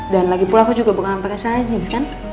dan lagi pula aku juga bukan pake sarjens kan